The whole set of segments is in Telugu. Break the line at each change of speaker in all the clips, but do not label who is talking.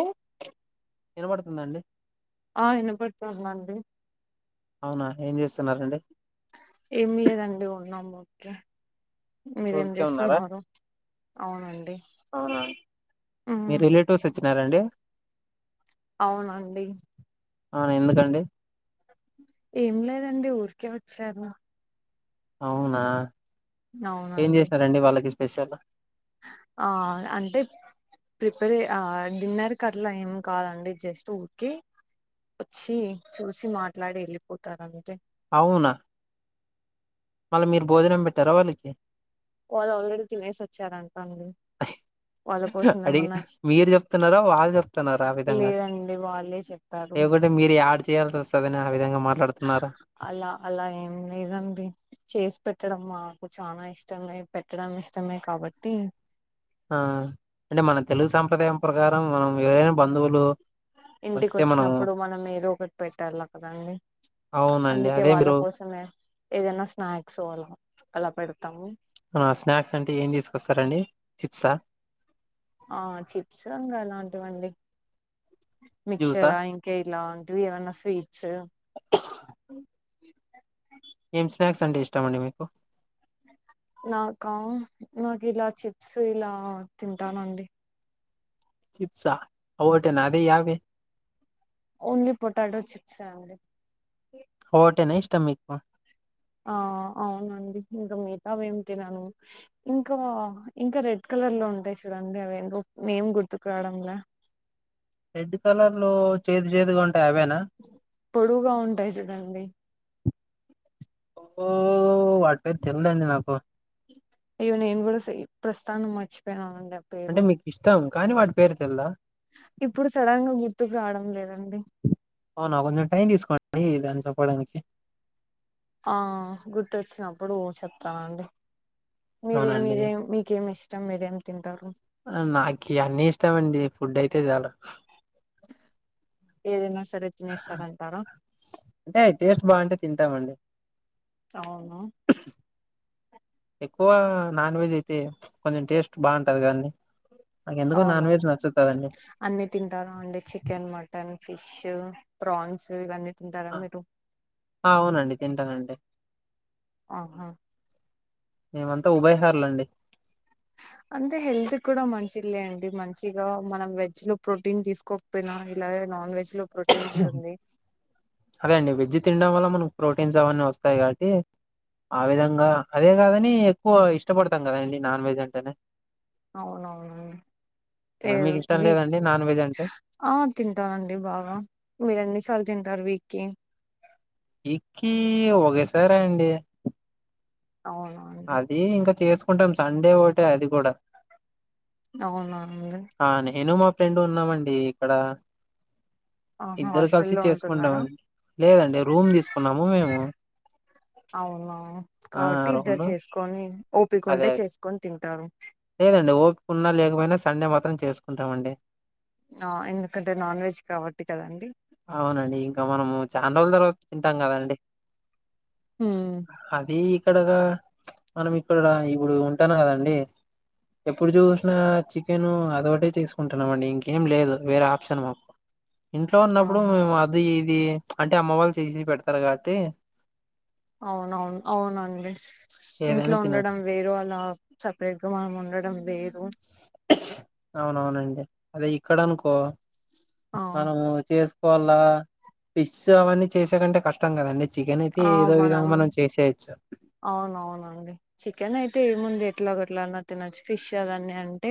ఓ
వినపడుతుందండి
ఆ వినపడుతుందండి
అవునా ఏం చేస్తున్నారండి
ఏం లేదండి ఉన్నాం ఓకే మీరేం
ఊరికే ఉన్నారా
చేస్తున్నారు అవునండి
ఆ హా
ఆ
మీ రిలేటివ్స్ వచ్చినారండి
అవునండి
అవును ఎందుకండి
ఏం లేదండి ఊరికే వచ్చారు
అవునా ఏం
అవునండి
చేశారండి వాళ్ళకి స్పెషల్
ఆ అంటే ప్రిపేర్ ఆ డిన్నర్ కట్లా ఏం కాలండి జస్ట్ ఊకే వచ్చి చూసి మాట్లాడి వెళ్ళిపోతారు అంతే
అవునా మళ్ళీ మీరు భోజనం పెట్టారా వాళ్ళకి
వాళ్ళు ఆల్రెడీ తినేసి వచ్చారంట అండి వాళ్ళ కోసం
అడిగి
ఏమన్నా చే-
మీరు చెప్తున్నారో వాళ్ళు చెప్తున్నార ఆ విధంగా
లేదండి వాళ్ళే చెప్పారు
ఎవలు అంటే మీరు యాడ్ చేయాల్సి వస్తుందని ఆ విధంగా మాట్లాడుతున్నారా
అలా అలా ఏం లేదండి చేసి పెట్టడం మాకు చాల ఇష్టమే పెట్టడం ఇష్టమే కాబట్టి
ఆ అంటే మన తెలుగు సాంప్రదాయం ప్రకారం మనం ఎవరైనా బంధువులు
ఇంటికి
వస్తే మనం
వచ్చినప్పుడు మనం ఏదో ఒకటి పెట్టలా కదండి
అవునండి
అందుకే
అదే
వాళ్ళ
మీరు
కోసమే ఏదైనా స్నాక్స్ ఓ అలా పెడతాము
స్నాక్స్ అంటే ఏం తీసుకొస్తారండి చిప్సా
ఆ చిప్స్ ఇంకా అలాంటి వండి
జ్యూసా
మిక్సరా ఇంకా కేయలాంటివి ఏమన్నా స్వీట్స్
ఏం స్నాక్స్ అంటే ఇష్టం అండి మీకు
నాకా నాకు ఇలా చిప్స్ ఇలా తింటానండి
చిప్సా ఒకటనా అదే యావే
ఓన్లీ పొటాటో చిప్స్ అండి
ఓటేనా ఇష్టం మీకు
ఆ అవునండి ఇంకా మిగతా ఏమి తినను ఇంకా ఇంకా రెడ్ కలర్లో ఉంటాయి చూడండి అవి ఎందో నేమ్ గుర్తుకు రావడంలా
రెడ్ కలర్ లో చేదు చేదుగా ఉంటాయి అవేనా
పొడువుగా ఉంటాయి చూడండి
ఓ వాటి పేరు తెలిదండి నాకు
అయ్యో నేను కూడా సె ప్రస్థానం మర్చిపోయినానండి అప్
అంటే మీకు ఇష్టం కానీ వాటి పేరు తెల్దా
ఇప్పుడు సడన్ గా గుర్తుకు రావడం లేదండి
అవునా కొంచెం టైం తీసుకోండి దాన్ని చెప్పడానికి
ఆ గుర్తుొచ్చినప్పుడు చెప్తానండి మీరే
అవునండి
మీరే మీకేమి ఇష్టం ఇష్టం మీరేం తింటారు
నాకు అన్ని ఇష్టమ అండి ఫుడ్ అయితే చాలు
ఏదైనా సరే తినస్తారంటార
అంటే టేస్ట్ బాగుంటే తింటామండి
అవును
ఎక్కువ నాన్ వెజ్ అయితే కొంచెం టేస్ట్ బాగుంటది కదండి నాకు ఎందుకొ నాన్
అవును
వెెజ్ నచ్చుతదండి
అన్ని తింటాను అండి చికెన్ మటన్ ఫిష్ ప్రాన్స్ ఇవన్నీ తింటార మీరు
అవునండి తింటానండి
అవునా
మేమంతా ఉభయహార్లండి
అంటే హెల్త్ కూడా మంచిదిలే అండి మంచిగా మనం వెజ్ లో ప్రోటీన్ తీసుకు కోకపోయినా ఇలాగే నాన్ వెజ్ లో ప్రోటీన్ ఉంటుంది
అదే అండి వెజ్ తినడం వల్ల మనకు ప్రోటీన్స్ అవన్నీ వస్తాయి కాబట్టి ఆ విధంగా అదే కాదని ఎక్కువ ఇష్టపడతాం కదండి నాన్ వెజ్ అంటేనే
అవునవును
ఆ,
ఏ
మీకు ఇష్టం లేదండి
వీక్లీ
నాన్ వెజ్ అంటే
ఆ తింటానండి బాగా మీరు ఎన్నిసార్లు తింటారు వీక్ కి
వీక్ కి ఒకసారే అండి
అవును
అది ఇంకా చేసుకుంటాం సండే ఒకటే అది కూడా
అవునా అండీ
ఆహ నేను మా ఫ్రెండ్ ఉన్నామండి ఇక్కడ
ఆహా
ఇద్దరు కలిసి
హాస్టల్లో ఉంటున్నారా
చేసుకుంటామండి లేదండి రూమ్ తీసుకున్నాము మేము
అవునా
ఆ
కాబట్టి
రూమ్
ఇద్దరు
లో
చేసుకొని ఓపిక ఉంటే
అదే
చేసుకొని తింటారు
లేదండి ఓపికున్నా లేకపోయినా సండే మాత్రం చేసుకుంటామండి
ఆ ఎందుకంటే నాన్ వెజ్ కాబట్టి కదండి
అవునండి ఇంకా మనము చానా రోజుల తర్వాత తింటాం కదండి
హ్మ్,
అదీ ఇక్కడగా ప్చ్ మనం ఇక్కడ ఇప్పుడు ఉంటాను కదండి ఎప్పుడు చూసినా చికెన్ అది ఒకటే చేసుకుంటున్నాం అండి ఇంకేం లేదు వేరే ఆప్షన్ మాకు ఇంట్లో ఉన్నప్పుడు
ఆహా
ఉమ్ అది ఇది అంటే అమ్మ వాళ్ళు చేసి పెడతారు కాబట్టి
అవునవును అవునండి
ఏదైనా
ఇంట్లో
తినొచ్చు
ఉండడం వేరు అలా సపరేట్ గా మనం ఉండడం వేరు
అవునవునండి అదే ఇక్కడ అనుకో
ఆ
మనము చేసుకోవాల్ల ఫిష్ అవన్నీ చేసే కంటే కష్టం కదండి చికెన్ అయితే ఏదో విధంగా మనం చేసేయచ్చు
అవునవును అవునండి చికెన్ అయితే ఏముంది ఎట్లోగట్లా అన్నా తినచ్చు ఫిష్ అవన్నీ అంటే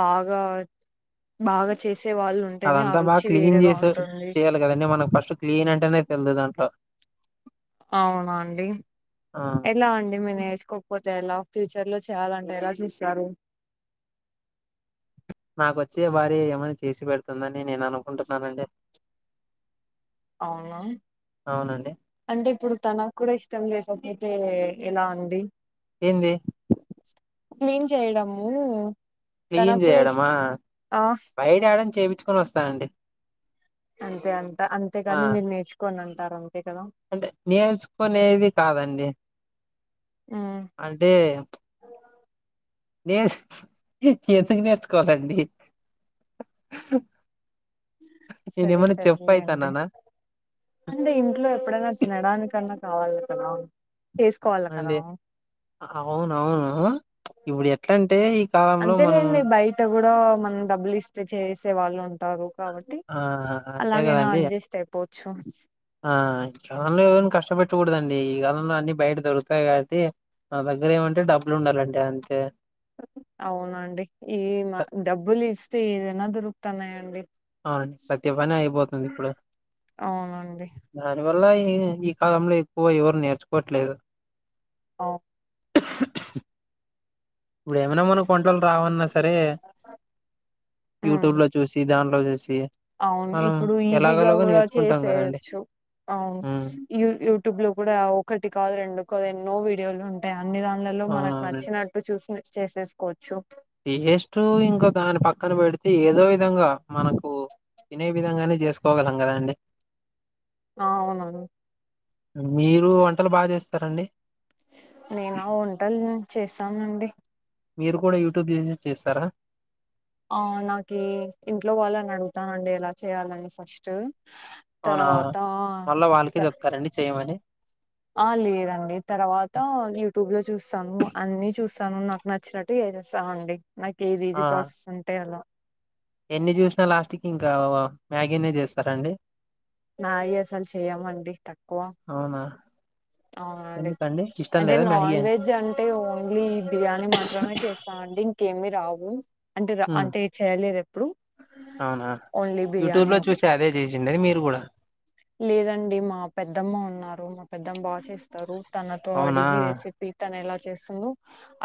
బాగా బాగా చేసే వాళ్ళు ఉంటే
అదంతా బాగా క్లీన్ చేసె చేయాలి కదండి మనకు ఫస్ట్ క్లీన్ అంటేనే తెలిదు దాంట్లో
అవునా అండి
ఆ
ఎలా అండి మీరు నేర్చుకో పోతే ఎలా ఫ్యూచర్ లో చేయాలంటే ఎలా చేస్తారు
నాకొచ్చే భార్య ఏమైనా చేసి పెడుతుందని నేను అనుకుంటున్నానండి
అవునా
అవునండి
అంటే ఇప్పుడు తనకు కూడా ఇష్టం లేకపోతే ఎలా అండీ
ఏందీ
క్లీన్ చేయడము
క్లీన్
తనకు కూడా
చేయడమా
ఇష్టం ఆ
బయట యాడన్నా చేయించుకొని వస్తానండి
అంతే అంట
ఆ
అంతేగాని మీరు నేర్చుకోను అంటారు అంతే కదా
అంటే నేర్చుకునేది కాదండి
హ్మ్
నేను ఎందుకు నేర్చుకోవాలండి నేను
సరే
ఏమైనా చెఫ్
సరేలేండి
అయితన్నానా
అంటే ఇంట్లో ఎప్పుడైనా తినడానికన్నా కావాలి కదా చేసుకోవాలి కదా
అవునండి అవునవును ఇప్పుడు ఎట్లాంటే
అంతేలేండి బయట కూడా మనం డబ్బులు ఇస్తే చేసే వాళ్ళు ఉంటారు కాబట్టి
ఆ అంతే
అలాగేనా
కదండి
అడ్జస్ట్ అయిపోవచ్చు
ఆ [unintelligible] కష్టపెట్టకూడదండి ఈ కాలంలో అన్ని బయట దొరుకుతాయి కాట్టి నా దగ్గర ఏమంటే డబ్బులూండాలండి అంతే
అవునండి ఈ మా డబ్బులీస్తే ఏదైనా దొరుకుతన్నాయండి
అవునండి ప్రతి పని అయిపోతుంది ఇప్పుడు
అవునండి
దాని వల్ల ఈ ఈ కాలంలో ఎక్కువ ఎవరు నేర్చుకోట్లేదు
అ
[unintelligible] [inaudible] ఏమైనా మనకి వంటలు రావన్నా సరే
ఉమ్
యూట్యూబ్ లో చూసి ప్రైవసీ
అవును ఇప్పుడు ఈజీగా గూడా
కదండి
చేసేయొచ్చు అవును
ఉమ్
యూ యూట్యూబ్లో కూడా ఒకటి కాదు రెండు కాదు ఎన్నో వీడియోలు ఉంటాయి అంటే అన్ని దాన్లలో మనక్
అవునవునండి
నచ్చినట్టు చూసి చేసేస్ కోవచ్చు
టేస్టూ ఇంకో దాని పక్కన పెడితే ఏదో విధంగా మనకు తినే విధంగానే చేస్ కోగలం కదాండి
అవును
మీరు వంటలు బా చేస్తారండి
నేనా వంటల్ చేశానండి
మీరు కూడా యూట్యూబ్ చూసి చేస్తారా
అవున్ నాకి ఇంట్లో వాళ్ళనడుగుతానండి ఎలా చేయాలని ఫస్టు
అవునా
తర్వాత
మళ్ళా వాళ్ళకే
త
చెప్తారండి చేయమని
ఆ లేదండి తర్వాత యూటుబ్ లో చూస్తాను అన్ని చూస్తాను నాక్ నచ్చినట్టు ఏసేస్తా అండి నాక్ ఏది
ఆ
ఈజీ ప్రాసెస్ ఉంటే అలా
ఎన్ని చూసినా లాస్ట్ కి ఇంకా మ్యాగీనే చేస్తారా అండి
మాగి అసల్ చేయమండి తక్కువ
అవున
అవునండి అంటే
లేదా మ్యాగీ
నోన్ వెజ్ అంటే ఓన్లీ బిర్యానీ మాత్రమే చేస్తా అండి ఇంకేమి రావు అంటే ర
ఉమ్
అంటే చేయలేదేప్పుడు
అవునా
ఓన్లీ
యూట్యూబ్
బిర్యానీ
లో చూసి
ఒకటే
అదే చేసిండేది మీరు కూడా
లేదండి మా పెద్దమ్మ ఉన్నారు మా పెద్దమ్మ బా చేస్తారు తనతో
అవునా
అడిగి ఏసి పీతనెలా చేస్తుందో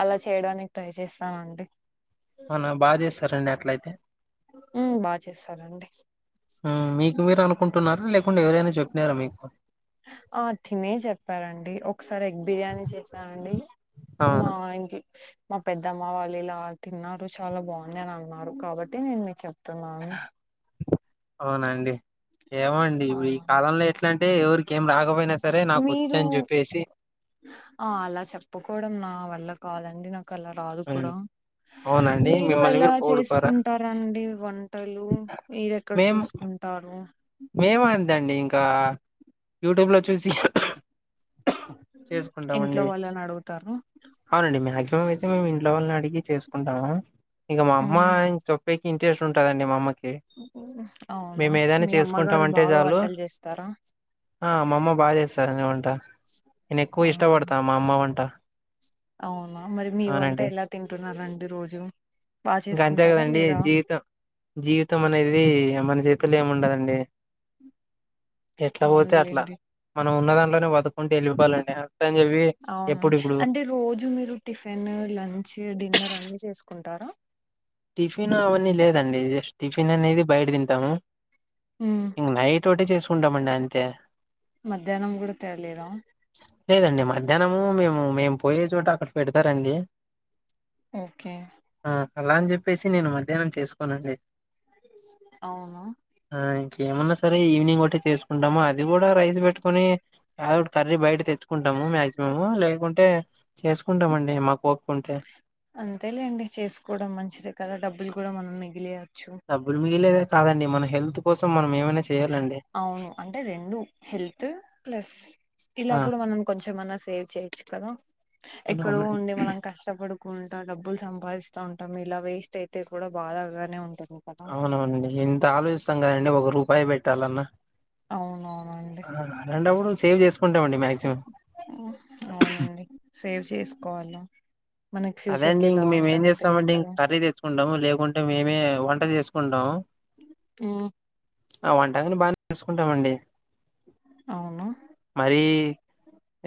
అలా చేయడానికి ట్రై చేస్తానండి
అవునా బా చేస్తారండి అట్లయితే
హూ బా చేస్తారండి
హు మీకు మీరు అనుకుంటున్నారా లేకుంటే ఎవరైనా చెప్పినారా మీకు
ఆ తినే చెప్పారండి ఒకసారి ఎగ్ బిర్యానీ చేసానండి
ఆ
మా ఆయన్కి మా పెద్దమ్మ వాళ్ళు ఇలా తిన్నారు చాలా బాంది అని అన్నారు కాబట్టి నేన్ మీక్ చెప్తున్నాను
అవునా అండి ఏమో అండి ఇప్పుడు ఈ
అవునా
కాలంలో ఎట్లంటే ఎవరికి ఏం రాకపోయినా సరే నాకొచ్
మీరు
అన్ చెప్పేసి
ఆ అలా చెప్పకోడం నా వల్ల కాదండి నాకలా రాదు కూడా
ఉమ్, అవునండి
మీరు
మిమ్మల్ని
ఎలా చేస్
పోగొడుకోరా
కుంటారండి వంటలు మీరెక్కడ
మేము
చూసుకుం టారు
మేము అంతండి ఇంకా యూటూబ్ లో చూసి
ఇంట్లో
చేస్కుంటామండి
వాళ్ళని అడుగుతారు
అవునండి మాక్సిమం అయితే మేము ఇంట్లో వాళ్ నడిగి చేస్ కుంటాము ఇక మా అమ్మ
మ్మ్
చే ప్పేకి ఇంట్రెస్ట్ ఉంటదండి మామ్మకి
ఊహు అవునా మీ అమ్మగారు
అంటే
బాగ్
చాలు
వంటల్ చేస్తారా
ఆ మా అమ్మ బా చేస్తార నే వంట నే నెక్కువ
అవునా
ఇష్టపడతా మా అమ్మ వంట
అవునా మరి మీ వంట
అవునండి
ఎలా తింటున్న రండి రోజు బా చేస్
ఇంకా అంతే
కుంటారా
కదండి
లేదా
జీవితం జీవితం అనేది మన చేతుల్లో ఏమ్ ఉండదండి ఎట్లా పోతే అట్లా
అవునులేండి
మనం ఉన్న దాంట్లోనే బతుకుంటు వెళ్ళిపోవాలండి అని చెప్పి
అవును
ఎప్పుడు ఇప్పుడు
అంటే రోజు మీరు టిఫిన్ లంచ్ డిన్నర్ అన్ని చేసుకుంటారు
టిఫిన్ అవన్నీ లేదండి జస్ట్ టిఫిన్ అనేది బయట తింటాము
హ్మ్
నైట్ ఒకటే చేసుకుంటామండి అంతే
మధ్యాహ్నం కూడా తాలేరా
లేదండి మధ్యాహ్నము మేము మేము పోయే చోట అక్కడ పెడతారండి
ఓకే
ఆ అలా అని చెప్పేసి నేను మధ్యాహ్నం చేసుకోనండి
అవునా
ఆ ఇంకేమన్నా సరే ఈవినింగ్ ఒకటి చేసుకుంటాము అది కూడా రైస్ పెట్టుకొని యాదో ఒకటి కర్రీ బయట తెచ్చుకుంటాము మాక్సిమం లేకుంటే చేసుకుంటాం అండి మాకు ఓపిక ఉంటే
అంతేలేండి చేసుకోవడం మంచిదే కదా డబ్బులు కూడా మనం మిగిలియచ్చు
డబ్బులు మిగిలిలేదే కాదండి మన హెల్త్ కోసం మనం ఏమైనా చేయాలండి
అవును అంటే రెండు హెల్త్ ప్లస్ ఇలా
ఆ
కూడా మనం కొంచమన్నా సేవ్ చేయచ్చు కదా ఎక్కడో
అవునవునండి
ఉండి మనం కష్టపడు కుంటా డబ్బులు సంపాదిస్త ఉంటాం ఇలా వేస్ట్ అయితే కూడా బాధాగానే ఉంటుం
అవునువును ఎంత ఆలోచిస్తాం కదండి ఒక రూపాయి పెట్టాలన్న
అవునవునండి
ఆ అలాంటప్పుడు సేవ్ చేసుకుంటామండి మాక్సిమం
అ అవునండి సేవ్ చేసుకోవాల
అదే అండి ఇంక మేము ఏం చేస్తాం
తెలియదు
అంటే ఇంక
కదా
కర్రీ తెచ్చుకుంటాము లేకుంటే మేమే వంట తీసుకుంటాము
హ్మ్
ఆ వంటగాని బానే చేసుకుంటామండి
అవునా
మరీ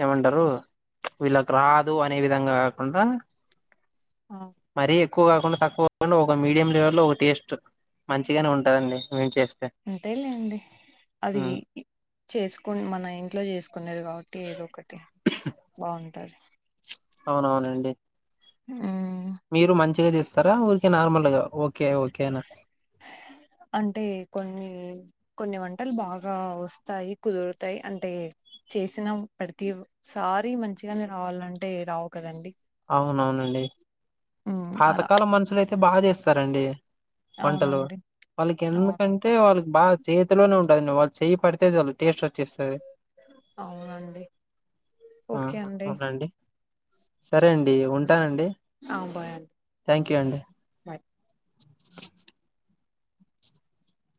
ఏమంటారు వీళ్ళకి రాదు అనే విధంగా కాకుండా
ఆ
మరీ ఎక్కువ కాకుండా తక్కువ కాకుండా ఒక మీడియం లెవెల్ లో ఒక టేస్ట్ మంచిగానే ఉంటదండి మేం చేస్తే
అంతేలేండి అది
ఉమ్
చేసుకోన్ మన ఇంట్లో చేసుకునేది కా టి ఏదో ఒకటి బాగుంటది
అవునువునండి
ఆ
మీరు మంచిగా చేస్తారా ఊరికే నార్మల్ గా ఓకే ఓకేనా
అంటే కొన్ని కొన్ని వంటలు బాగా వస్తాయి కుదురుతాయి అంటే చేసిన ప్రతిసారి మంచిగానే రావాలంటే రావు కదండి
అవునువునండి
మ్మ్ అలా
పాతకాలం మనుషులుయితే బా చేస్తారండి వంటలు
అవునండి
వాళ్ళకి ఎందుకంటే
అవునండి
వాళ్ళకి బా చేతిలోనే ఉంటదండి వాళ్ళు చేయి పడితే చాలు టేస్ట్ వచ్చేస్తది
అవునండి
ఆ
ఓకే అండి
అవునండి సరే అండి ఉంటానండి
ఆ బాయ్ అం
థాంక్ యూ అండి [inaudible]